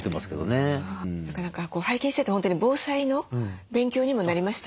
なかなか拝見してて本当に防災の勉強にもなりましたね。